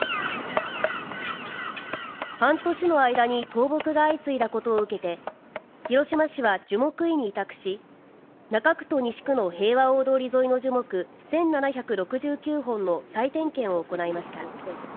半年の間に倒木が相次いだことを受けて広島市は樹木医に委託し中区と西区の平和大通り沿いの樹木１７６９本の再点検を行いました。